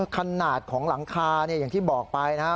ขนาดของหลังคาอย่างที่บอกไปนะ